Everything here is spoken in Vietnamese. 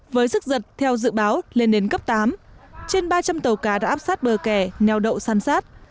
với sức giật theo dự báo lên đến cấp tám trên ba trăm linh tàu cá đã áp sát bờ kè neo đậu san sát